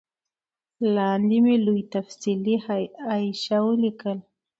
لاندي مي لوی تفصیلي حاشیه ولیکل